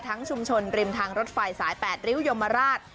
ชุมชนริมทางรถไฟสาย๘ริ้วยมราช